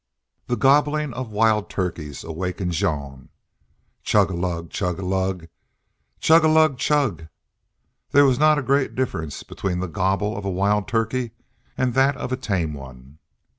The gobbling of wild turkeys awakened Jean, "Chuga lug, chug a lug, chug a lug chug." There was not a great difference between the gobble of a wild turkey and that of a tame one.